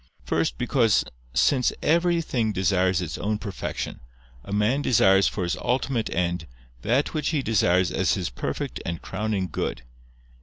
First, because, since everything desires its own perfection, a man desires for his ultimate end, that which he desires as his perfect and crowning good.